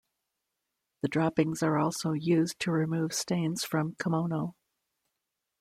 The droppings are also used to remove stains from kimono.